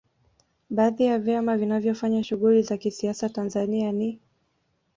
Baadhi ya vyama vinavyofanya shughuli za kisiasa Tanzania ni